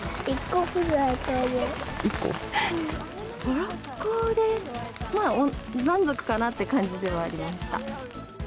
５、６個で満足かなって感じではありました。